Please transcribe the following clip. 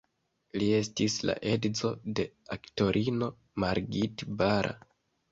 Li estis la edzo de aktorino Margit Bara.